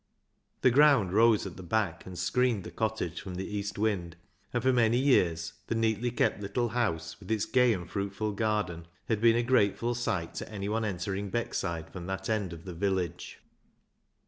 The ground rose at the back and screened the cottage from the east wind, and for many years the neatly kept little house, with its gay and fruitful garden, had been a grateful sight to any one entering Beckside from that end of the village.